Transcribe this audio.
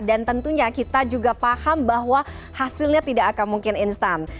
tentunya kita juga paham bahwa hasilnya tidak akan mungkin instan